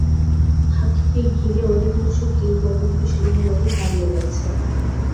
হাকিকে ঘিরে অধিকাংশ কিংবদন্তি সম্ভবত হারিয়ে গেছে।